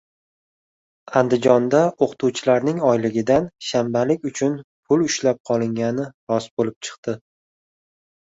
Andijonda o‘qituvchilarning oyligidan shanbalik uchun pul ushlab qolingani rost bo‘lib chiqdi